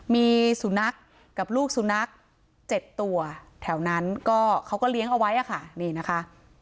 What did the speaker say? มีสุนัขกับลูกสุนัข๗ตัวแถวนั้นก็เขาก็เลี้ยงเอาไว้ค่ะนี่นะคะ